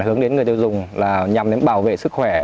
hướng đến người tiêu dùng là nhằm đến bảo vệ sức khỏe